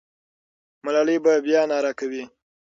ملالۍ به بیا ناره کوي.